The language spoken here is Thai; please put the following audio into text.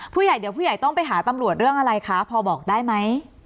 ผู้ใหญ่เดี๋ยวผู้ใหญ่ต้องไปหาตำรวจเรื่องอะไรคะพอบอกได้ไหม